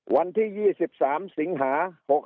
วันที่๒๓สิงหา๖๖